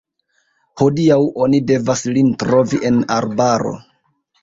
Hodiaŭ oni devas lin trovi en arbaro.